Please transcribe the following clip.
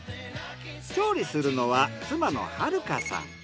調理するのは妻の春香さん。